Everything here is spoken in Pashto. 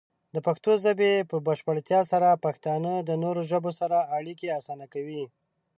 د پښتو ژبې په بشپړتیا سره، پښتانه د نورو ژبو سره اړیکې اسانه کوي.